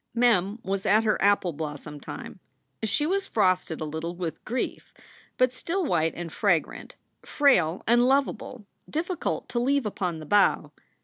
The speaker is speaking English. Mem was at her apple blossom time. She was frosted a little with grief, but still white and fragrant, frail and lov able, difficult to leave upon the bough.